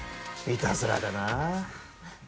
いたずらだな。